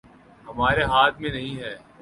ہمارے ہاتھ میں نہیں ہے